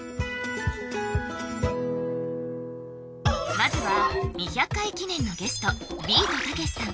まずは２００回記念のゲストビートたけしさん